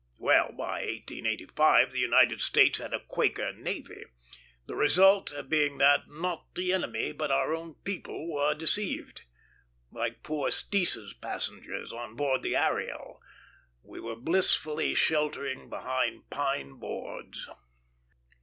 Well, by 1885 the United States had a "quaker" navy; the result being that, not the enemy, but our own people were deceived. Like poor Steece's passengers on board the Ariel, we were blissfully sheltering behind pine boards.